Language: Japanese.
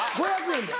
５００円で！